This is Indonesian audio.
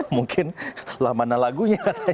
mungkin lah mana lagunya